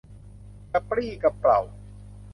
กระปรี้กระเปร่า